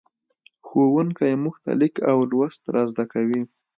ښوونکی موږ ته لیک او لوست را زدهکوي.